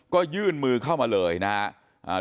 ก็ยื่นมือเข้ามาเลยนะครับ